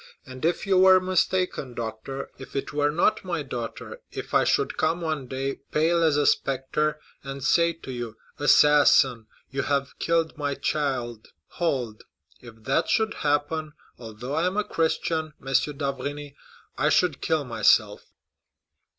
And if you were mistaken, doctor—if it were not my daughter—if I should come one day, pale as a spectre, and say to you, 'Assassin, you have killed my child!'—hold—if that should happen, although I am a Christian, M. d'Avrigny, I should kill myself."